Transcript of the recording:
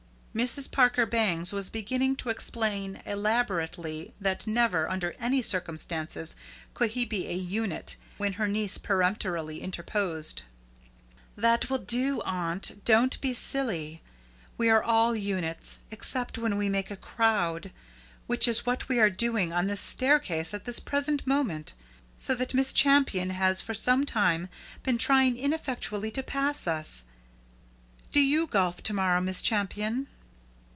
Mrs. Parker Bangs was beginning to explain elaborately that never, under any circumstances, could he be a unit, when her niece peremptorily interposed. "That will do, aunt. Don't be silly. We are all units, except when we make a crowd; which is what we are doing on this staircase at this present moment, so that Miss Champion has for some time been trying ineffectually to pass us. Do you golf to morrow, Miss Champion?"